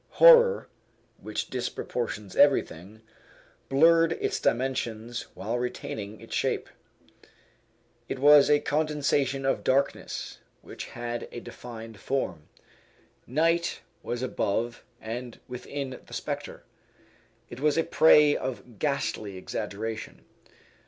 Horror, which disproportions everything, blurred its dimensions while retaining its shape. It was a condensation of darkness, which had a defined form. Night was above and within the spectre; it was a prey of ghastly exaggeration.